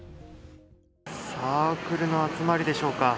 サークルの集まりでしょうか。